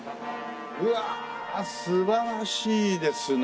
うわあ素晴らしいですね